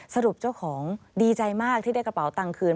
สรุปเจ้าของดีใจมากที่ได้กระเป๋าตังค์คืน